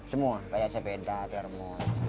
semua kayak sepeda termos